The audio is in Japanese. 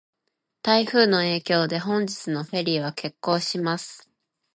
台風の影響で、本日のフェリーは欠航します。